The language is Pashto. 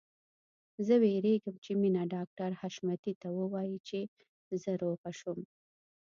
زه وېرېږم چې مينه ډاکټر حشمتي ته ووايي چې زه روغه شوم